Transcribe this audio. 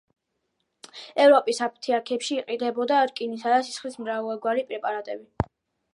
ევროპის აფთიაქებში იყიდებოდა რკინისა და სისხლის მრავალგვარი პრეპარატები.